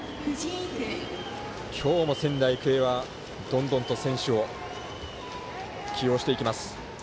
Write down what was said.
今日も仙台育英はどんどんと選手を起用していきます。